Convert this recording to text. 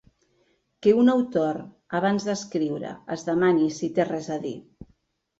Que un autor, abans d’escriure, es demani si té res a dir.